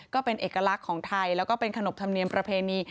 ก็เป็นเอกลักษณ์ของไทยแล้วก็เป็นขนบธรรมเนียมประเพณี